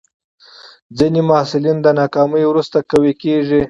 ځینې محصلین د ناکامۍ وروسته قوي کېږي.